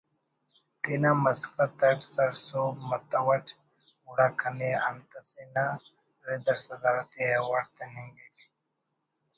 تینا مسخت اٹ سر سہب متوٹ گڑا کنے انت اسے نا رداٹ صدارتی ایوارڈ تننگک